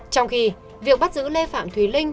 trong khi việc bắt giữ lê phạm thùy linh